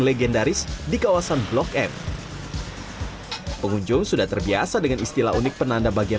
legendaris di kawasan blok m pengunjung sudah terbiasa dengan istilah unik penanda bagian